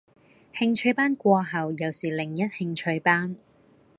興趣班過後又是另一興趣班